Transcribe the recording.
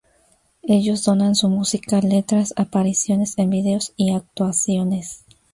Ellos donan su música, letras, apariciones en vídeos y actuaciones.